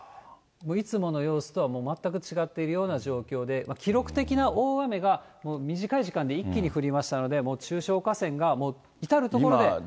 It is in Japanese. いつもの様子とは全く違っているような状況で、記録的な大雨が短い時間で一気に降りましたので、もう中小河川が至る所で越水している。